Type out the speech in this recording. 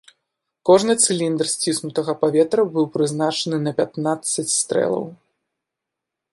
Кожны цыліндр сціснутага паветра быў прызначаны на пятнаццаць стрэлаў.